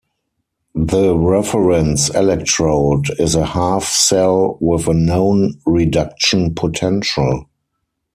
The reference electrode is a half cell with a known reduction potential.